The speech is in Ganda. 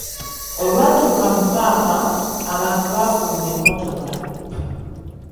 Olwatuuka mu ppaaka, abantu baafuluma emmotoka.